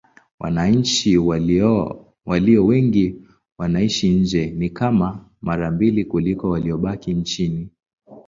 Wananchi walio wengi wanaishi nje: ni kama mara mbili kuliko waliobaki nchini.